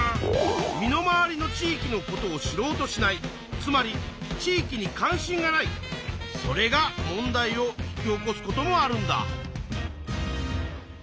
身の回りの地域のことを知ろうとしないつまり地域に関心がないそれが問題を引き起こすこともあるんだ。